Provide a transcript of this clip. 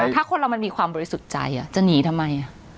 ถ้าคนเรามันมีความบริสุทธิ์ใจจะหนีทำไม